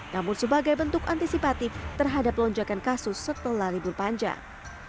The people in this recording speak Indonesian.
namun sebagai bentuk antisipatif terhadap lonjakan kasus setelah libur panjang